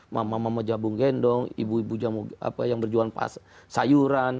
mama mama jabung gendong ibu ibu yang berjualan sayuran